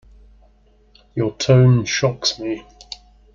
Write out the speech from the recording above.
Your tone shocks me.